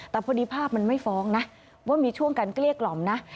แต่พอดีภาพมันไม่ฟ้องนะว่ามีช่วงการเกลี้ยกล่อมนะ